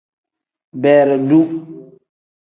Beredu.